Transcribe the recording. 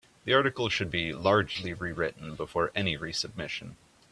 The article should be largely rewritten before any resubmission.